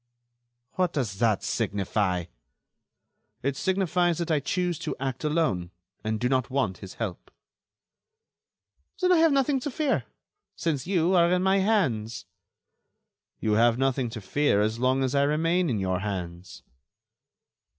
"What does that signify?" "It signifies that I choose to act alone, and do not want his help." "Then I have nothing to fear, since you are in my hands." "You have nothing to fear as long as I remain in your hands."